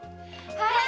はい！